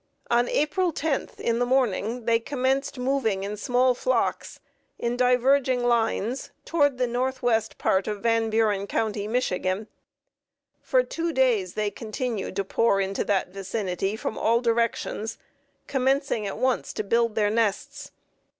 On April 10, in the morning, they commenced moving in small flocks in diverging lines toward the northwest part of Van Buren County, Mich. For two days they continued to pour into that vicinity from all directions, commencing at once to build their nests.